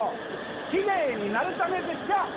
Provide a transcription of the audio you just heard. きれいになるためでしょ。